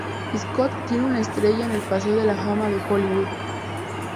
Scott tiene una estrella en el Paseo de la Fama de Hollywood.